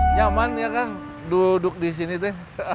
nyaman ya kan duduk di sini deh